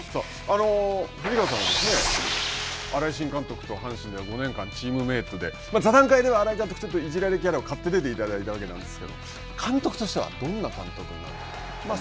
藤川さんは、新井新監督と阪神では５年間チームメートで座談会では新井監督、ちょっといじられキャラを買っていただいたんですけど、監督としてはどんな監督になると思われますか。